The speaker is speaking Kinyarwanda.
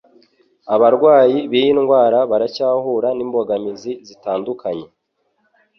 abarwayi b'iyi ndwara baracyahura n'imbogamizi zitandukanye